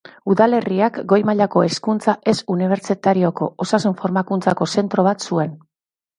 Udalerriak goi-mailako hezkuntza ez unibertsitarioko osasun-formakuntzako zentro bat zuen.